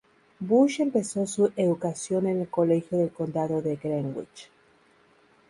Bush empezó su educación en el Colegio del Condado de Greenwich.